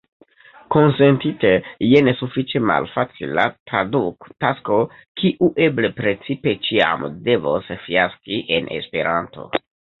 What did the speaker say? Konsentite, jen sufiĉe malfacila traduktasko, kiu eble principe ĉiam devos fiaski en Esperanto.